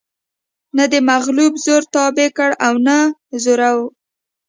نه دمغلو زور تابع کړ او نه زرو